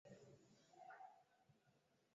আমরা কিছুতেই বদ্ধ নই, আমরা বিদেহ।